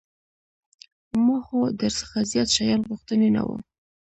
ما خو در څخه زيات شيان غوښتي نه وو.